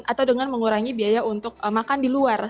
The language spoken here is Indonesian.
atau dengan mengurangi biaya untuk makan di luar